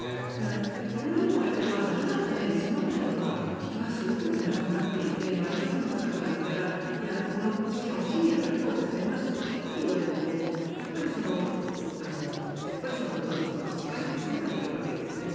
これはざるだったねで済まないのは人がすごく亡くなっていて遺族の方から見たらこの事件を機に強化されましたっていくら言われてもやっぱりご家族とかは帰ってこないわけですね。